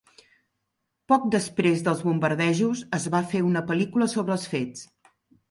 Poc després dels bombardejos, es va fer una pel·lícula sobre els fets.